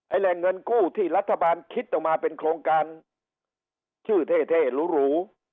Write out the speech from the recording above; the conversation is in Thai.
แหล่งเงินกู้ที่รัฐบาลคิดออกมาเป็นโครงการชื่อเท่เท่หรู